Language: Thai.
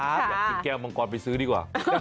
อยากกินแก้วมังกรไปซื้อดีกว่า